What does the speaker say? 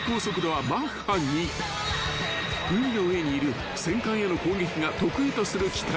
［海の上にいる戦艦への攻撃が得意とする機体だ］